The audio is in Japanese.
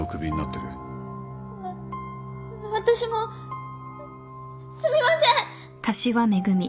わ私もすみません！